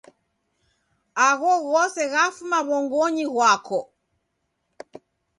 Agho ghose ghafuma w'ongonyi ghwako.